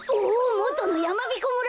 もとのやまびこ村だ。